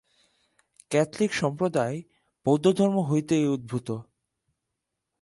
Catholic সম্প্রদায় বৌদ্ধধর্ম হইতেই উদ্ভূত।